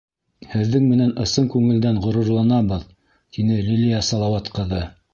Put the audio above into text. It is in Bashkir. — Һеҙҙең менән ысын күңелдән ғорурланабыҙ, — тине Лилиә Салауат ҡыҙы.